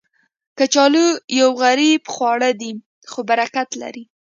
کچالو یو غریب خواړه دی، خو برکت لري